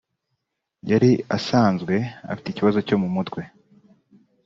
Ati “Yari asanzwe afite ikibazo cyo mu mutwe